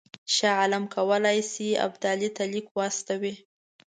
شاه عالم کولای شي ابدالي ته لیک واستوي.